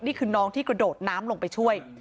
นี่คือน้องที่กระโดดน้ำลงไปช่วย